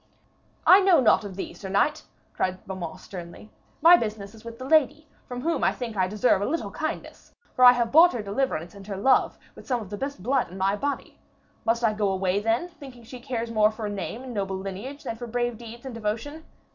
'I know naught of thee, sir knight,' cried Beaumains sternly. 'My business is with the lady, from whom I think I deserve a little kindness, for I have bought her deliverance and her love with some of the best blood in my body. Must I go away then, thinking she cares more for a name and noble lineage than for brave deeds and devotion?